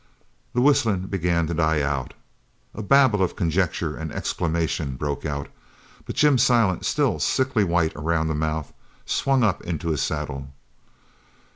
The whistling began to die out. A babble of conjecture and exclamation broke out, but Jim Silent, still sickly white around the mouth, swung up into the saddle.